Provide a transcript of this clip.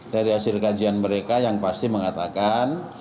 dari hasil kajian mereka yang pasti mengatakan